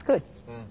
うん。